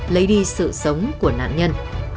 lấy đi sự sống của nạn nhân